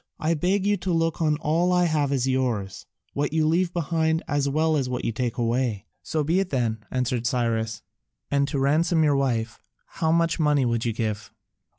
I beg you to look on all I have as yours, what you leave behind as well as what you take away." "So be it then," answered Cyrus, "and to ransom your wife, how much money would you give?"